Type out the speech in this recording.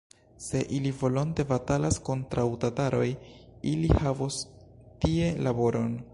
Se ili volonte batalas kontraŭ tataroj, ili havos tie laboron!